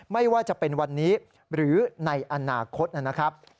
ไม่ว่าจะเป็นวันนี้หรือในอนาคตนะครับ